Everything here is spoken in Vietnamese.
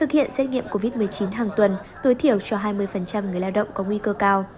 một mươi chín hàng tuần tối thiểu cho hai mươi người lao động có nguy cơ cao